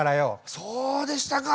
そうでしたか！